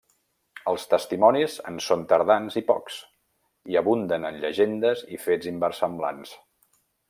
Els testimonis en són tardans i pocs, i abunden en llegendes i fets inversemblants.